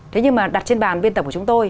thế nhưng mà đặt trên bàn biên tập của chúng tôi